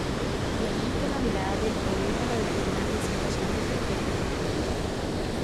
De allí que la mirada del poeta la defina en situación de perpetuo conflicto.